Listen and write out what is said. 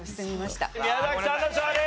宮崎さんの勝利！